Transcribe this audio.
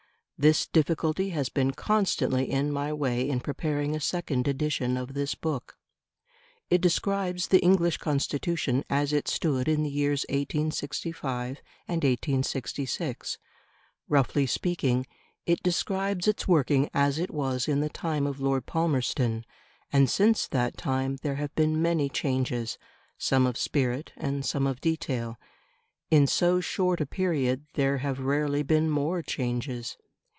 This difficulty has been constantly in my way in preparing a second edition of this book. It describes the English Constitution as it stood in the years 1865 and 1866. Roughly speaking, it describes its working as it was in the time of Lord Palmerston; and since that time there have been many changes, some of spirit and some of detail. In so short a period there have rarely been more changes.